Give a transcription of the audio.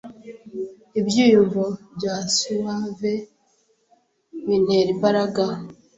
Ibyiyumvo bya Suwave bintera imbaraga